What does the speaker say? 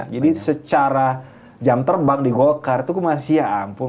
jadi secara jam terbang di golkar itu gue masih ya ampun